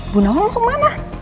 bunawan mau kemana